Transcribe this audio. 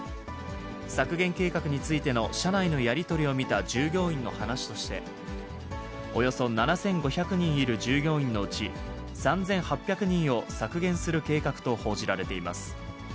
削減計画についての社内のやり取りを見た従業員の話として、およそ７５００人いる従業員のうち、３８００人を削減する計画と報じられています。